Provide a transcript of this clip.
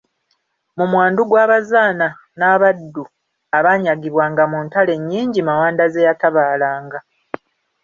Mu mwandu gw'abazaana n'abaddu abaanyagibwanga mu ntalo ennyingi Mawanda ze yatabaalanga.